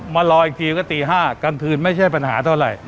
มารออีกทีก็ตี๕กลางคืนไม่ใช่ปัญหาเท่าไหร่